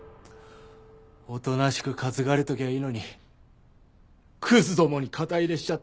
おとなしく担がれときゃいいのにクズどもに肩入れしちゃって。